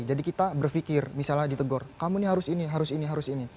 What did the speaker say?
jadi kita berpikir misalnya ditegor kamu ini harus ini harus ini harus ini